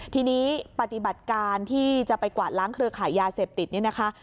ทีนี้ปฏิบัติการที่จะไปกวาดล้างเครือขายยาเสพติดนี่นะคะ